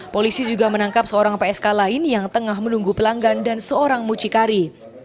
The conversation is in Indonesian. polisi juga menangkap seorang psk lain yang tengah menunggu pelanggan dan seorang mucikari